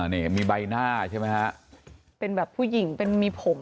อ๋อเนี่ยมีใบหน้าก็ใช่มั้ยเป็นแบบผู้หญิงเป็นมีผม